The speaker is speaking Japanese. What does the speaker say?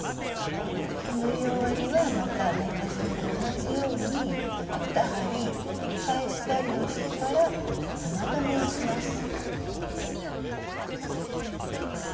縫い終わりはまた縫い始めと同じように２針返し針をしてから玉留めをします。